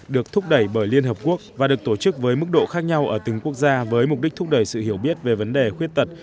được thúc đẩy bởi liên hợp quốc và được tổ chức với mức độ khác nhau ở từng quốc gia với mục đích thúc đẩy sự hiểu biết về vấn đề khuyết tật